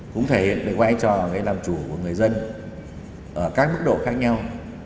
cũng thể hiện về quãi trò làm chủ của người dân ở các mức độ khác nhau